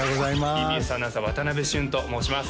ＴＢＳアナウンサー渡部峻と申します